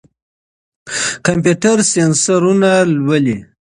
کمپيوټر سېنسرونه لولي.